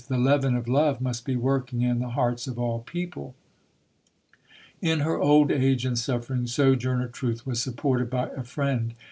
The leaven of love must be working in the hearts of all people". In her old age and suffering, Sojourner Truth was supported by a friend.